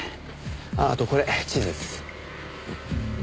あとこれ地図です。